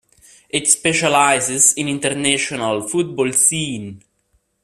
It specialises in the international football scene.